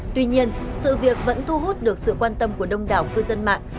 tuy nhiên sự việc vẫn thu hút được sự quan tâm của đông đảo cư dân mạng